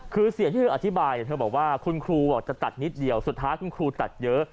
คือเสียงที่เธออธิบายเธอบอกว่าคุณครูบอกจะตัดนิดเดียวสุดท้ายคุณครูตัดเยอะ